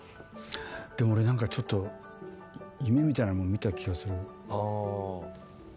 でも俺何かちょっと夢みたいなもん見た気がする。